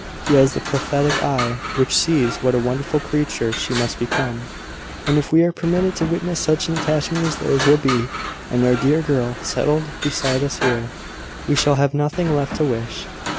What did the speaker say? He has the prophetic eye which sees what a wonderful creature she must become. And if we are permitted to witness such an attachment as theirs will be, and our dear girl settled beside us here, we shall have nothing left to wish."